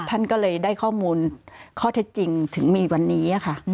ท่านก็เลยได้ข้อมูลข้อเท็จจริงถึงมีวันนี้ค่ะ